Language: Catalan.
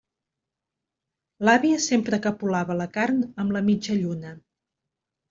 L'àvia sempre capolava la carn amb la mitjalluna.